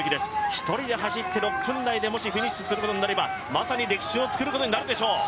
１人で走って、もし６分台でフィニッシュすることになれば、まさに歴史を作ることになるでしょう。